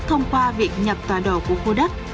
thông qua việc nhập tọa độ của khu đất